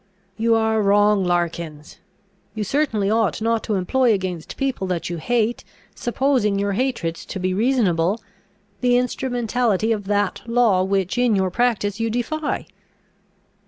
"You are wrong, Larkins! You certainly ought not to employ against people that you hate, supposing your hatred to be reasonable, the instrumentality of that law which in your practice you defy.